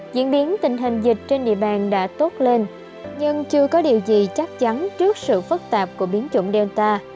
diễn biến tình hình dịch trên địa bàn đã tốt lên nhưng chưa có điều gì chắc chắn trước sự phức tạp của biến chủng delta